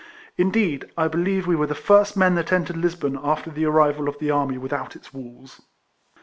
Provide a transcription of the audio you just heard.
Indeed I believe we were the first men that entered Lisbon after the arrival of the army without its walls.